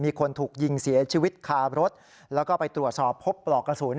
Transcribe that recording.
มีคนถูกยิงเสียชีวิตคารถแล้วก็ไปตรวจสอบพบปลอกกระสุน